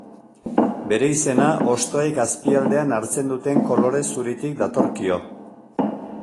Bere izena, hostoek azpialdean hartzen duten kolore zuritik datorkio.